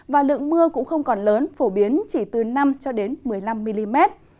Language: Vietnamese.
và lượng mưa cũng không còn lớn phổ biến chỉ từ năm một mươi năm mm